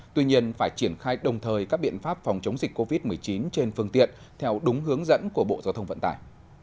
tuy nhiên phải triển khai đồng thời các biện pháp phòng chống dịch covid một mươi chín trên phương tiện theo đúng hướng dẫn của bộ giao thông vận tải